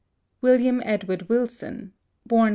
William Edward Wilson (b. Co.